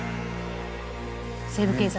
『西部警察』だ。